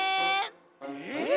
えっ！？